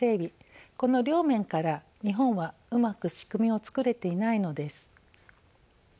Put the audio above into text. この両面から日本はうまく仕組みをつくれていないのです。